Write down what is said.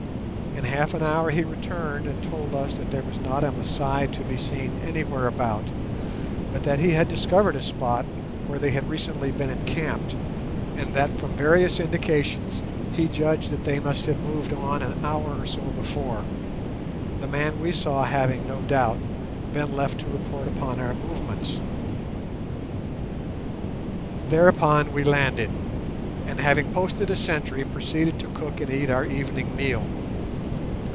In half an hour he returned, and told us that there was not a Masai to be seen anywhere about, but that he had discovered a spot where they had recently been encamped, and that from various indications he judged that they must have moved on an hour or so before; the man we saw having, no doubt, been left to report upon our movements. Thereupon we landed; and, having posted a sentry, proceeded to cook and eat our evening meal.